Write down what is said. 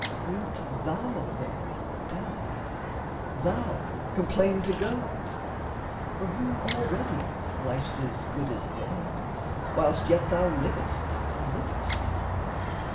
Wilt thou, then, dally, thou complain to go? For whom already life's as good as dead, Whilst yet thou livest and lookest?